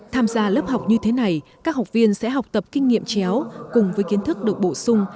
tham gia lớp học như thế này các học viên sẽ học tập kinh nghiệm chéo cùng với kiến thức được bổ sung